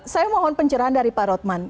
saya mohon pencerahan dari pak rotman